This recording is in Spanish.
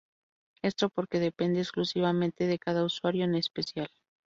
Esto porque depende exclusivamente de cada usuario en especial.